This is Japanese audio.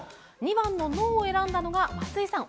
２番の「脳」を選んだのが松井さん